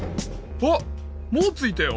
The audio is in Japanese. おっもうついたよ。